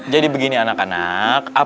jadi begini anak anak